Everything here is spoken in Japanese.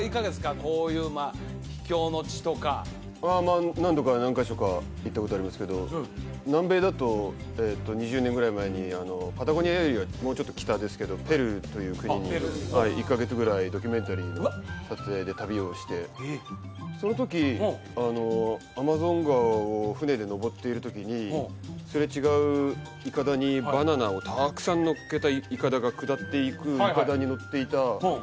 こういう秘境の地とかまあ何度か何カ所か行ったことありますけど南米だと２０年ぐらい前にパタゴニアよりはもうちょっと北ですけどペルーという国に１カ月ぐらいドキュメンタリーの撮影で旅をしてその時アマゾン川を船で上っている時にすれ違うイカダにバナナをたくさんのっけたイカダが下っていくっていわれてああ！